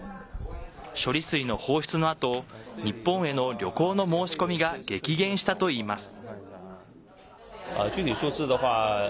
処理水の放出のあと日本への旅行の申し込みが激減したといいます。